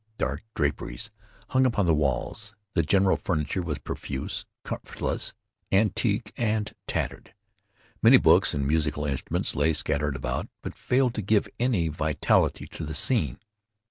Dark draperies hung upon the walls. The general furniture was profuse, comfortless, antique, and tattered. Many books and musical instruments lay scattered about, but failed to give any vitality to the scene.